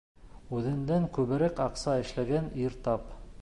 Үҙеңдән күберәк аҡса эшләгән ир тап.